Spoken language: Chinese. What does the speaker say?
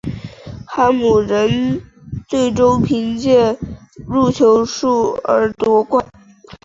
哈姆人最终凭借更多的入球数而夺冠。